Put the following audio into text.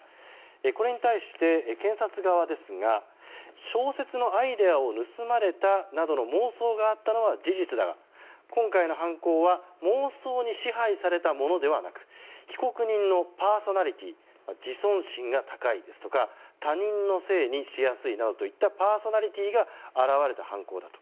これに対して、検察側ですが小説のアイデアを盗まれたなどの妄想があったのは事実だが今回の犯行は妄想に支配されたものではなく被告人のパーソナリティー自尊心が高いですとか他人のせいにしやすいなどといったパーソナリティーが表れた犯行だと。